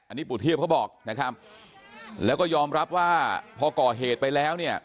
อันนี้ปู่เทียบเขาบอกนะครับแล้วก็ยอมรับว่าพอก่อเหตุไปแล้วเนี่ย